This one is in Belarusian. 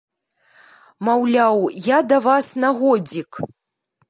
Маўляў, я да вас на годзік.